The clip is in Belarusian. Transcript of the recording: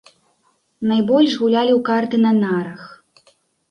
Найбольш гулялі ў карты на нарах.